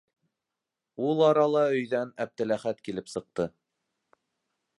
Ул арала өйҙән Әптеләхәт килеп сыҡты.